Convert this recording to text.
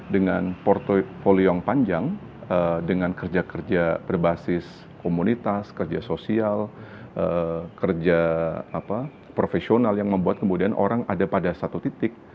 dengan portofolio panjang dengan kerja kerja berbasis komunitas kerja sosial kerja profesional yang membuat kemudian orang ada pada satu titik